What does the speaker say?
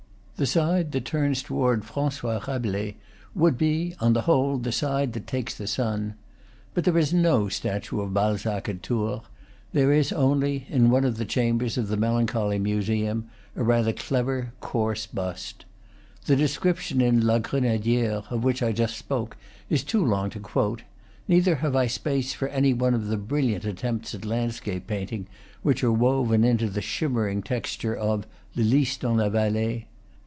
The side that turns toward Francois Rabelais would be, on the whole, the side that takes the sun. But there is no statue of Balzac at Tours; there is only, in one of the chambers of the melancholy museum, a rather clever, coarse bust. The description in "La Grenadiere," of which I just spoke, is too long to quote; neither have I space for any one of the brilliant attempts at landscape paint ing which are woven into the shimmering texture of "Le Lys dans la Vallee."